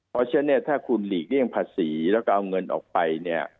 เพราะฉะนั้นถ้าคุณหลีกเลี่ยงภาษีแล้วก็เอาเงินออกไป